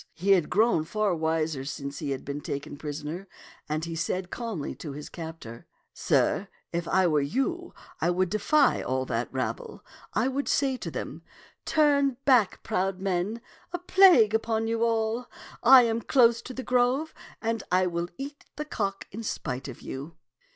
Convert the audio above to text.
He had grown far wiser since he had been taken prisoner, and he said calmly to his captor, "Sir, if I were you, I would defy all that rabble. I would say to them, * Turn back, proud men, a plague €i}t (Tlun'0 ^xmfB 'tak 99 upon you all ! I am close to the grove, and I will eat the cock in spite of you.'